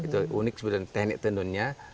itu unik sebenarnya teknik tenunnya